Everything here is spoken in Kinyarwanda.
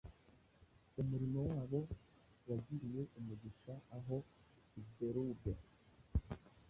Umurimo wabo wagiriye umugisha aho i Derube